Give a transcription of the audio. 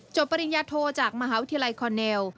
ปริญญาโทจากมหาวิทยาลัยคอนเนล